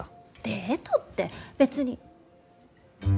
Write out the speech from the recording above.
デートって別に。